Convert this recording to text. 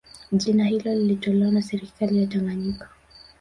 Jina hilo lilitolewa na serikali ya Tanganyika